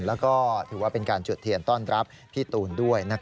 แล้วก็ถือว่าเป็นการจุดเทียนต้อนรับพี่ตูนด้วย